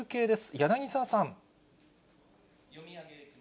柳沢さん。